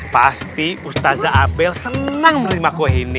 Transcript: pasti ustazah abel senang menerima kue ini